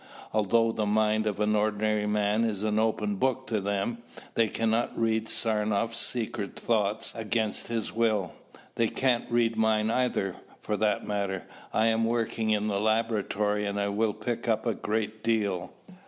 Although the mind of an ordinary men is an open book to them, they cannot read Saranoff's secret thoughts against his will. They can't read mine either, for that matter. I am working in the laboratory and I will pick up a great deal.